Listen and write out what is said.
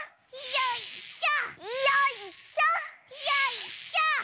よいしょ！